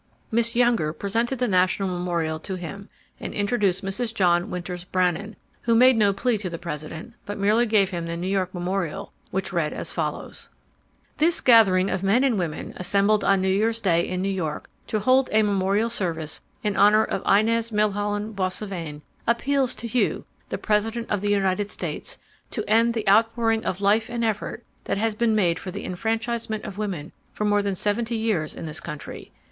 Miss Younger presented the national memorial to him and introduced Mrs. John Winters Brannan, who made no plea to the President but merely gave him the New York memorial which read as follows: "This gathering of men and women, assembled on New Year's day in New York to hold a memorial service in honor of Inez Milholland Boissevain, appeals to you, the President of the United States, to end the outpouring of life and effort that has been made for the enfranchisement of women for more than seventy years in this country.